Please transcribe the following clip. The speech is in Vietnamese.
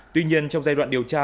tuy nhiên trong giai đoạn điều tra